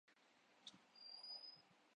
لیکن خان لیاقت علی خان کا کیا قصور تھا؟